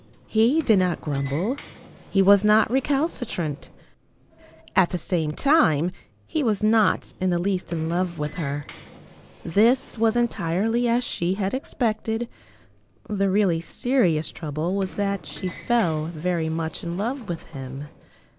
He did not grumble. He was not recalcitrant. At the same time he was not in the least in love with her. This was entirely as she had expected. The really serious trouble was that she fell very much in love with him.